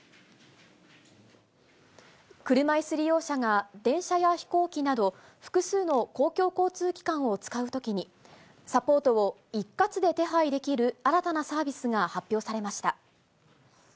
車いす利用者が電車や飛行機など、複数の公共交通機関を使うときに、サポートを一括で手配できる新たなサービスが発表されました。